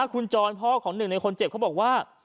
คุณจรพ่อของหนึ่งในคนเจ็บเขาบอกว่า